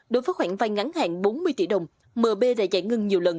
đối với khoảng vai ngắn hạn bốn mươi tỷ đồng mb đã giải ngân nhiều lần